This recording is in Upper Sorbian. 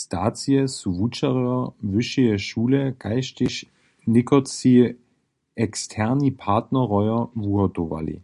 Stacije su wučerjo wyšeje šule kaž tež někotři eksterni partnerojo wuhotowali.